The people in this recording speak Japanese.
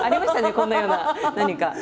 こんなような何か。